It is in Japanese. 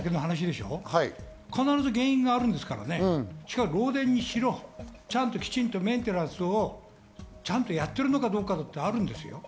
ちゃんと原因があるんですから、漏電にしろ、ちゃんときちんとメンテナンスをやってるのかどうかっていうのがあるんですよ。